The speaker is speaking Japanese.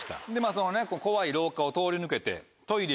その怖い廊下を通り抜けて。